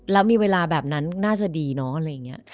แล้วมีเวลาแบบนั้นน่าจะดีเนาะอะไรอย่างนี้